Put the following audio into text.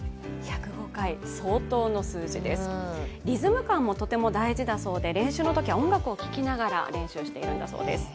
リズム感もとても大事なそうで、練習のときは音楽を聴きながら練習しているそうです。